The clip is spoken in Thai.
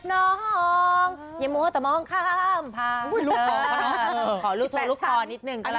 อาหารเทศน้องยังมอเตอร์มองข้ามพา